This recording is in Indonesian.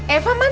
eva mau makan